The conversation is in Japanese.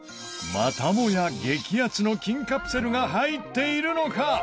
またもや激アツの金カプセルが入っているのか？